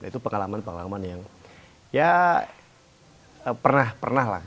itu pengalaman pengalaman yang ya pernah pernah lah